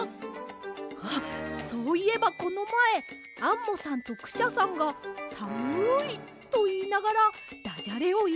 あっそういえばこのまえアンモさんとクシャさんが「さむい」といいながらダジャレをいいあっていました。